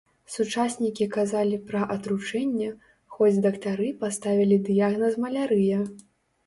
Сучаснікі казалі пра атручэнне, хоць дактары паставілі дыягназ малярыя.